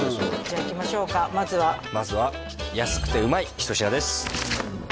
じゃあいきましょうかまずはまずは安くてうまい一品です